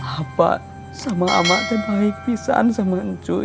apa semua amat baik pisaan sama ncuy